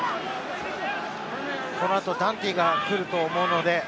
この後、ダンティが来ると思うので。